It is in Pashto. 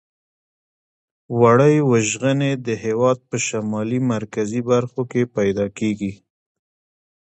وړۍ وژغنې د هېواد په شمالي مرکزي برخو کې پیداکیږي.